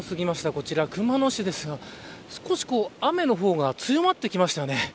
こちら熊野市ですが少し雨の方が強まってきましたね。